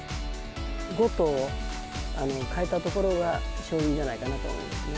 後藤に代えたところが勝因じゃないかなと思いますね。